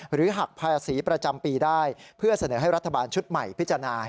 หักภาษีประจำปีได้เพื่อเสนอให้รัฐบาลชุดใหม่พิจารณา